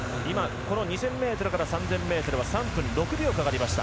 ２０００ｍから３０００ｍは３分６秒かかりました。